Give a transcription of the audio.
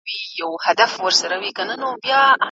آیا د زده کړي لپاره پلان جوړول بریا ته لاره هواروي؟